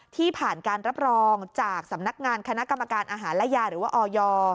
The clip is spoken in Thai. ที่ผ่านการรับรองจากสำนักงานคณะกรรมการอาหารและยาหรือว่าออย